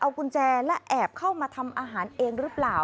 เอากุญแจและแอบเข้ามาทำอาหารเองหรือเปล่า